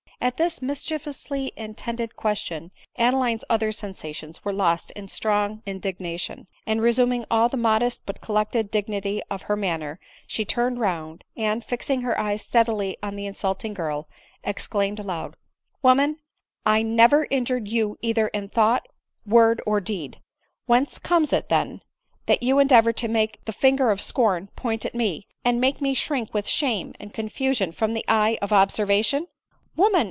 *; At this mischievously intended question, Adeline's other sensations were lost in strong indignation ; and re suming all the modest but collected dignity of her man ner, she turned round, and, fixing her eyes steadily on the insulting girl, exclaimed aloud, " Woman, I never injured you either in thought, word or deed ; whence comes it, then, that you endeavor to make the finger of scorn point : at me, and make me shrink with shame and confusion from the eye of observation ?"" Woman